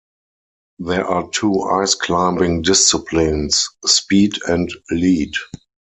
There are two ice climbing disciplines, Speed and Lead.